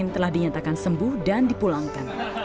yang telah dinyatakan sembuh dan dipulangkan